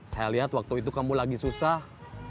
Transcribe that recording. saya lihat waktu itu kamu lagi susah